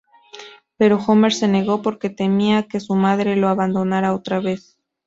Pero Homer se negó, porque temía que su madre lo abandonara otra vez.